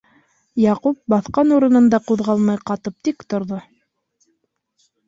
Яҡуп баҫҡан урынында ҡуҙғалмай ҡатып тик торҙо.